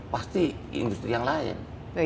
pasti industri yang lain